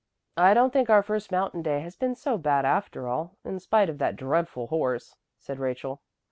"I don't think our first Mountain Day has been so bad after all, in spite of that dreadful horse," said Rachel.